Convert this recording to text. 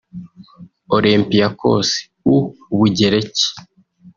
Olympiacos(u Bugereki)